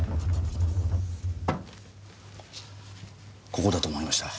ここだと思いました。